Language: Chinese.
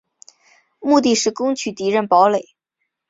目的是攻取敌人堡垒。